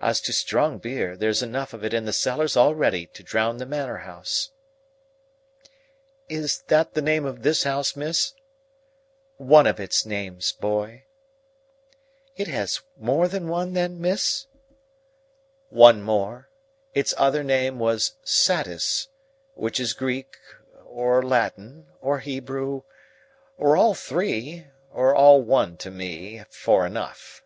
As to strong beer, there's enough of it in the cellars already, to drown the Manor House." "Is that the name of this house, miss?" "One of its names, boy." "It has more than one, then, miss?" "One more. Its other name was Satis; which is Greek, or Latin, or Hebrew, or all three—or all one to me—for enough."